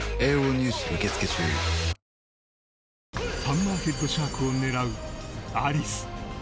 ハンマーヘッドシャークを狙うアリス。